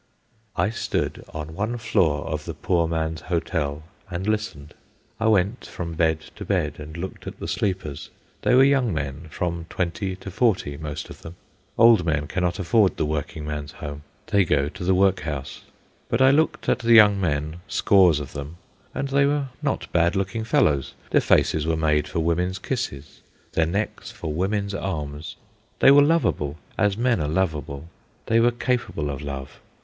I stood on one floor of the poor man's hotel and listened. I went from bed to bed and looked at the sleepers. They were young men, from twenty to forty, most of them. Old men cannot afford the working man's home. They go to the workhouse. But I looked at the young men, scores of them, and they were not bad looking fellows. Their faces were made for women's kisses, their necks for women's arms. They were lovable, as men are lovable. They were capable of love.